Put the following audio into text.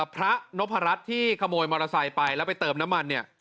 พระนพรัชที่ขโมยมอเตอร์ไซค์ไปแล้วไปเติมน้ำมันเนี่ย